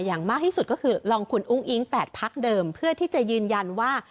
อย่างมากที่สุดก็คือลองคุณอุ้งอิ๊ง๘พักเดิมเพื่อที่จะยืนยันว่า